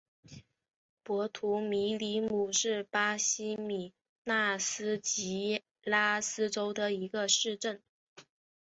博图米里姆是巴西米纳斯吉拉斯州的一个市镇。